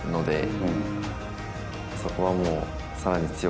そこはもう。